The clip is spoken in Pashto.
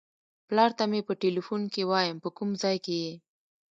پلار ته مې په ټیلیفون کې وایم په کوم ځای کې یې.